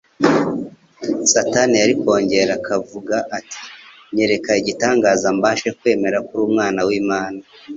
Satani yari kongera akavuga ati, nyereka igitangaza mbashe kwemera ko uri Umwana w'Imana